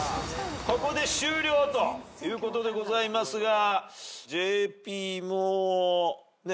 ここで終了ということでございますがＪＰも。